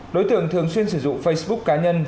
đối tượng thường xuyên sử dụng facebook cá nhân